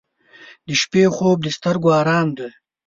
• د شپې خوب د سترګو آرام دی.